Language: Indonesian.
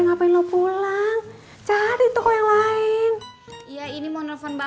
ngapain lo pulang jadi toko yang lain iya ini mau nelfon bang